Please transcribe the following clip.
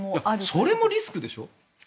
それもリスクでしょ？